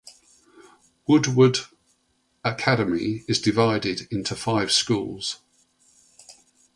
Woodward Academy is divided into five schools.